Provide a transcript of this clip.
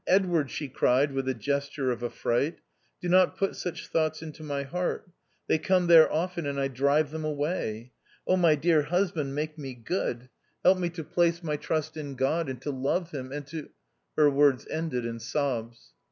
Edward 1 " she cried with a gesture of affright, "do not put such thoughts into my heart ; they come there often, and I drive them away. Oh ! my dear husband, make me good ; help me to THE OUTCAST. 195 place my trust in God, and to love him, and to ." Her words ended in sobs.